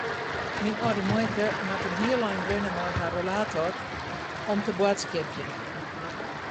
Myn âlde muoike moat in heel ein rinne mei har rollator om te boadskipjen.